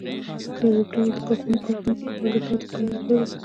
د اوبدلو د کارخونې د کارکوونکو لپاره تار د کار موضوع ده.